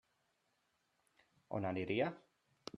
On aniria?